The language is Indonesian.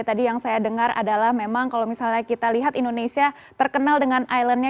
tadi yang saya dengar adalah memang kalau misalnya kita lihat indonesia terkenal dengan islandnya